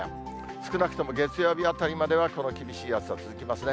少なくとも月曜日あたりまではこの厳しい暑さ、続きますね。